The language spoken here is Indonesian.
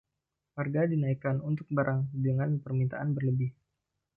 Harga dinaikkan untuk barang dengan permintaan berlebih.